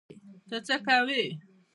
ته څه کوی؟